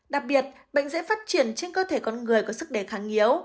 đặc biệt bệnh dễ phát triển trên cơ thể con người có sức đề kháng yếu